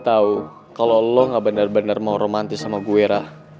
gue tau kalo lo gak bener bener mau romantis sama gue rara